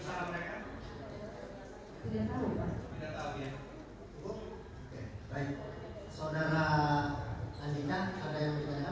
segera bapak nasi dan bapak jaseng pertama yang boleh disini